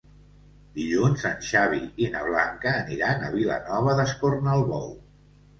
Dilluns en Xavi i na Blanca aniran a Vilanova d'Escornalbou.